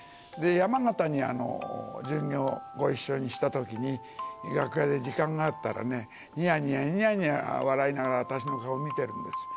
山形に巡業をご一緒したときに、楽屋で時間があったらね、にやにやにやにや笑いながら、私の顔を見てるんです。